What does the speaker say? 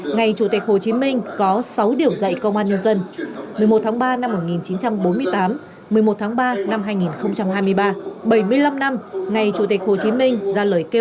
ngày chủ tịch hồ chí minh có sáu điểm dạy công an nhân dân